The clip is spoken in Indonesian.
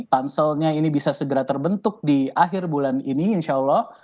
panselnya ini bisa segera terbentuk di akhir bulan ini insya allah